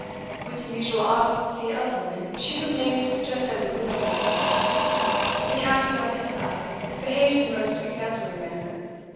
With the usual obstinacy of women, she remained just as immovable as ever. The captain, on his side, behaved in the most exemplary manner.